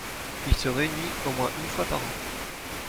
Il se réunit au moins une fois par an.